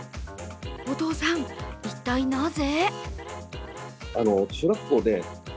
お父さん、一体なぜ？